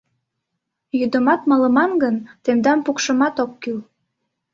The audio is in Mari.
Йӱдымат малыман гын, тендам пукшымат ок кӱл.